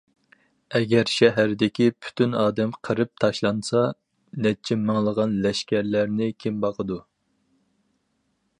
ئەگەر شەھەردىكى پۈتۈن ئادەم قىرىپ تاشلانسا، نەچچە مىڭلىغان لەشكەرلەرنى كىم باقىدۇ؟.